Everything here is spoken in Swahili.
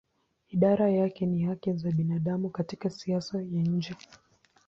Idara yake ni haki za binadamu katika siasa ya nje.